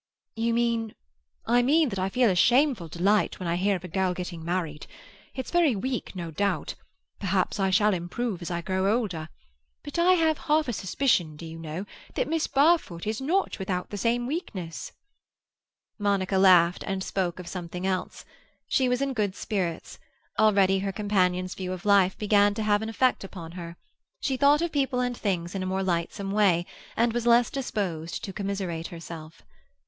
"You mean—" "I mean that I feel a shameful delight when I hear of a girl getting married. It's very weak, no doubt; perhaps I shall improve as I grow older. But I have half a suspicion, do you know, that Miss Barfoot is not without the same weakness." Monica laughed, and spoke of something else. She was in good spirits; already her companion's view of life began to have an effect upon her; she thought of people and things in a more lightsome way, and was less disposed to commiserate herself.